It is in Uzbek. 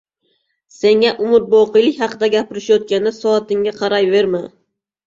— Senga umrboqiylik haqida gapirishayotganda soatingga qarayverma.